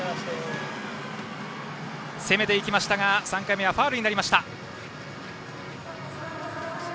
攻めていきましたが３回目はファウルになりました。